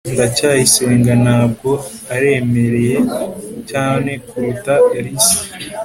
ndacyayisenga ntabwo aremereye cy kuruta alice